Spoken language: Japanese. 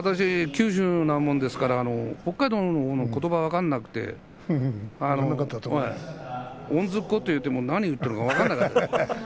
九州のもんですから、北海道のことばが分からなくておんずっこと言ってもなんて言っているか分からなくて。